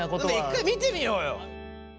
一回見てみようよ。